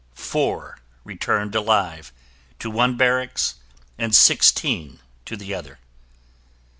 Four returned alive to one barracks and sixteen to the other.